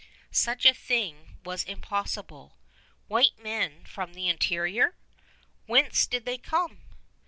Such a thing was impossible. "White men from the interior! Whence did they come?"